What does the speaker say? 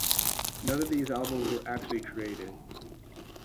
None of these albums were actually created.